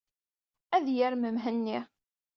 Ad yarem Mhenni.